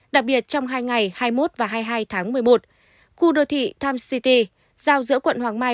đặc biệt trong hai ngày hai mươi một và hai mươi hai tháng một mươi một khu đô thị tom city giao giữa quận hoàng mai